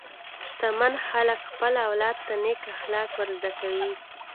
شتمن خلک خپل اولاد ته نېک اخلاق ورزده کوي.